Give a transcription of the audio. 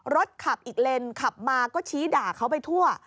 รถขับอีกเลนขับมาก็ชี้ด่าเขาไปทั่ว